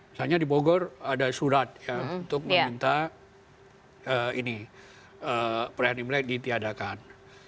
misalnya di bogor ada surat untuk meminta perayaan imlek ditiadakan